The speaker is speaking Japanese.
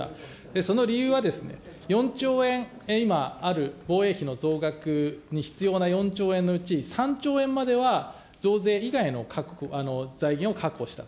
その理由はですね、４兆円、今ある防衛費の増額に必要な４兆円のうち３兆円までは、増税以外の財源を確保したと。